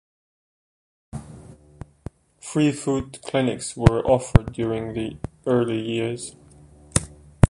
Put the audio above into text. Free foot clinics were offered during the early years.